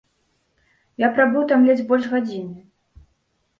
Я прабыў там ледзь больш гадзіны.